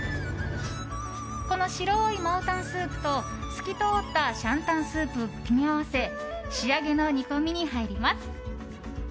この白いマオタンスープと透き通ったシャンタンスープを組み合わせ仕上げの煮込みに入ります。